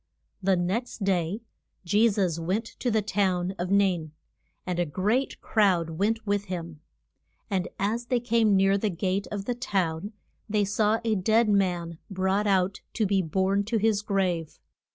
The next day Je sus went to the town of Nain. And a great crowd went with him. And as they came near the gate of the town they saw a dead man brought out to be borne to his grave.